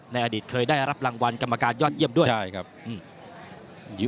ในอดีตเคยได้รับรางวัลกรรมการยอดเยี่ยมด้วย